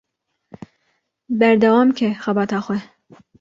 Berdewamke xebata xwe.